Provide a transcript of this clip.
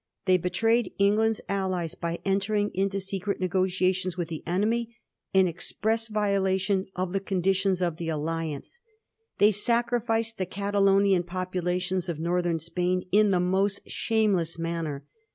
They betrayed England's allies by entering into secret negotiations with the enemy, in express violation of the conditions of the alliance ; they sacri ficed the Catalonian populations of Northern Spain in the most shameless maimer.